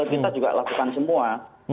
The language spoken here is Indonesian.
kita juga lakukan semua